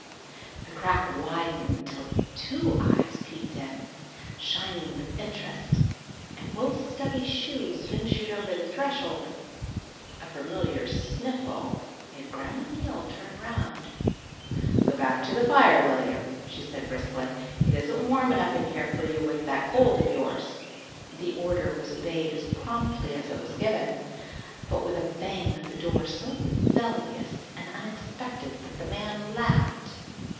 The crack widened till two eyes peeped in, shining with interest, and both stubby shoes ventured over the threshold. A familiar sniffle made Grandma Neal turn around. "Go back to the fire, William," she said briskly. "It isn't warm enough in here for you with that cold of yours." The order was obeyed as promptly as it was given, but with a bang of the door so rebellious and unexpected that the man laughed.